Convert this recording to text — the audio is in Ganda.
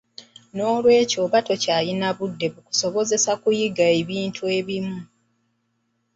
Noolwekyo oba tokyalina budde bukusobozesa kuyiga ebintu ebimu.